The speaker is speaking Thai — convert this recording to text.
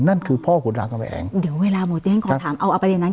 นั่นคือพ่อขุนร่างกำแหน่งเดี๋ยวเวลาหมดเนี้ยนขอถามเอาอเปดินนั้น